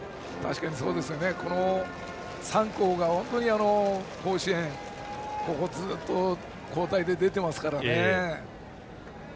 この３校が甲子園、ここずっと交代で出てますからね。